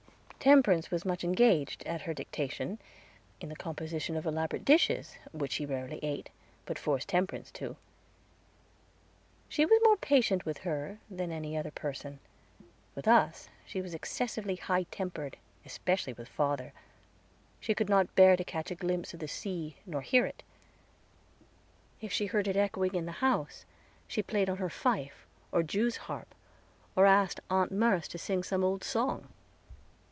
Temperance was much engaged, at her dictation, in the composition of elaborate dishes, which she rarely ate, but forced Temperance to. She was more patient with her than any other person; with us she was excessively high tempered, especially with father. She could not bear to catch a glimpse of the sea, nor to hear it; if she heard it echoing in the house, she played on her fife, or jewsharp, or asked Aunt Merce to sing some old song.